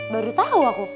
baru tau aku